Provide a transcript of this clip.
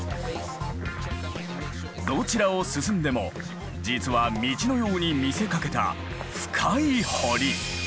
どちらを進んでも実は道のように見せかけた深い堀。